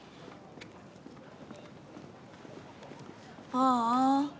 ああ。